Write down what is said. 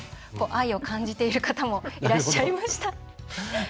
愛を感じている方もいらっしゃいました。